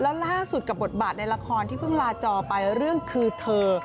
แล้วล่าสุดกับบทบาทในละครที่เพิ่งลาจอไปเรื่องคือเธอ